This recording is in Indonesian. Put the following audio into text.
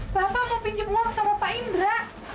bapak mau pinjem uang sama pak indra